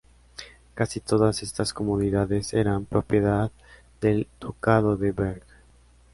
Casi todas estas comunidades eran propiedad del ducado de Berg.